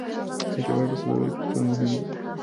اعتبار په سوداګرۍ کې تر ټولو مهم دی.